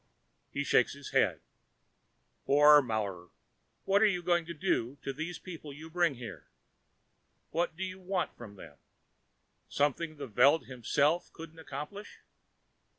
He shakes his head. "Poor Maurer. What're you doing to these people you bring here? What do you want from them? Something the Veld himself couldn't accomplish?"